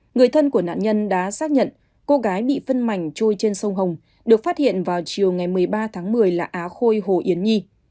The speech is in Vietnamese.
người thân của nạn nhân đã xác nhận cô gái bị phân mảnh trôi trên sông hồng được phát hiện vào chiều ngày một mươi ba tháng một mươi là á khôi hồ yến nhi